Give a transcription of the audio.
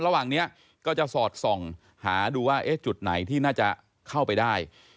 ระหว่างนี้ก็จะสอดส่องหาดูว่าจุดไหนที่น่าจะเข้าไปได้